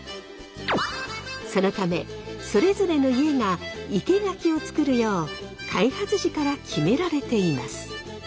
そのためそれぞれの家が生け垣を作るよう開発時から決められています。